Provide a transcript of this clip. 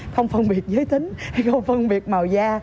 không phân biệt giới tính hay không phân biệt màu da